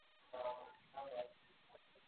پانګه د اقتصادي نظام د پياوړتيا وسيله ده.